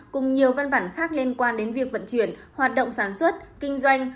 cùng nhiều văn bản khác liên quan đến việc vận chuyển hoạt động sản xuất kinh doanh